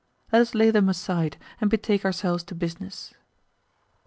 Let us lay them aside, and betake ourselves to business.